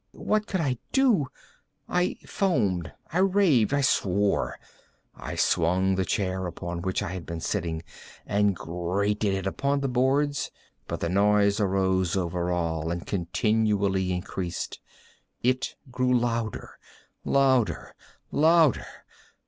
what could I do? I foamed—I raved—I swore! I swung the chair upon which I had been sitting, and grated it upon the boards, but the noise arose over all and continually increased. It grew louder—louder—louder!